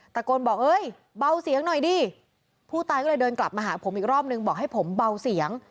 ตะโกนบอกเอ้ยเบาเสียงหน่อยดิผู้ตายก็เลยเดินกลับมาหาผมอีกรอบนึงบอกให้ผมเบาเสียง